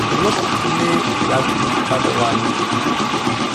She looks to me like t'other one.